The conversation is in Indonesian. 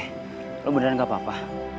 raya lu beneran gak apa apa